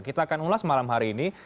kita akan ulas malam hari ini